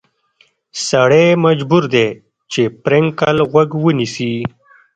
سړی مجبور دی چې پر نکل غوږ ونیسي.